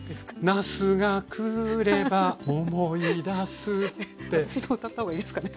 なすがくれば思い出す私も歌ったほうがいいですかね？